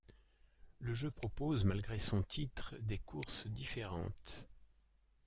Le jeu propose, malgré son titre, des courses différentes.